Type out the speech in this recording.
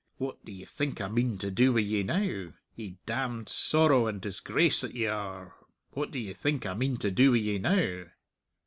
What do ye think I mean to do wi' ye now?... Ye damned sorrow and disgrace that ye are, what do ye think I mean to do wi' ye now?"